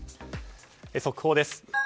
速報です。